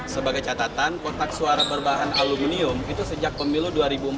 sebagai catatan kotak suara berbahan aluminium itu sejak pemilu dua ribu empat belas